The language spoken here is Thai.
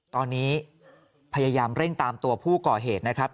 ตอนนี้พยายามเร่งตามตัวผู้ก่อเหตุนะครับ